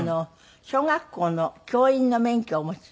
小学校の教員の免許をお持ち？